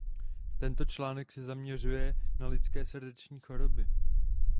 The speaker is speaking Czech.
Tento článek se zaměřuje na lidské srdeční choroby.